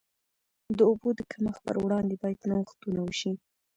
د اوبو د کمښت پر وړاندې باید نوښتونه وشي.